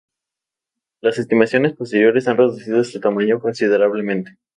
Las estimaciones posteriores han reducido este tamaño considerablemente.